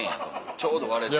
ちょうど割れてる。